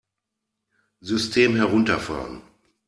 System herunterfahren!